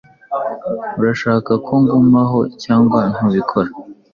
Urashaka ko ngumaho cyangwa ntubikora?